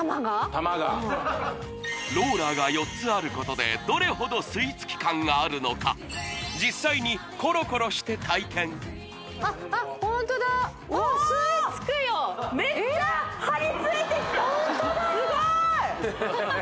玉がローラーが４つあることでどれほど吸い付き感があるのか実際にコロコロして体験あっあっホントだめっちゃはり付いてきたホントだすごーい！